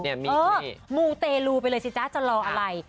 เออมูเตลูไปเลยชิคกี้พายจะรออะไร